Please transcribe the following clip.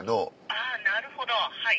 あぁなるほどはい。